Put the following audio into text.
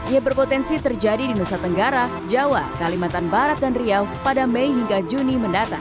yang berpotensi terjadi di nusa tenggara jawa kalimantan barat dan riau pada mei hingga juni mendatang